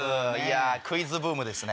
クイズブームですね。